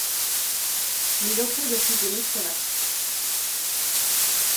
Miroku decide ir con Hachi.